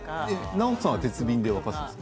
ＮＡＯＴＯさんは鉄瓶で沸かすんですか？